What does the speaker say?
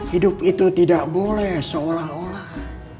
hidup itu tidak boleh seolah olah